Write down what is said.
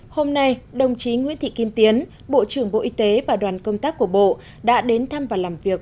hôm nay đồng chí nguyễn thị kim tiến bộ trưởng bộ y tế và đoàn công tác của bộ đã đến thăm và làm việc